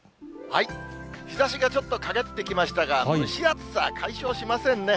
日ざしがちょっと陰ってきましたが、蒸し暑さは解消しませんね。